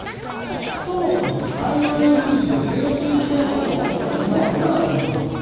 そもそも台湾有事で米中戦争が起きたら日本はどうなるのと。